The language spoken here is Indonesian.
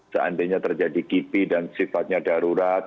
seandainya terjadi kipi dan sifatnya darurat